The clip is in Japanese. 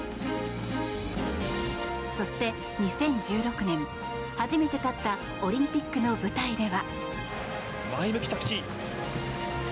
そして、２０１６年初めて立ったオリンピックの舞台では。